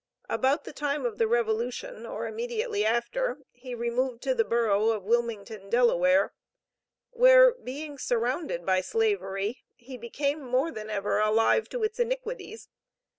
About the time of the Revolution, or immediately after, he removed to the borough of Wilmington, Delaware, where, being surrounded by slavery, he became more than ever alive to its iniquities.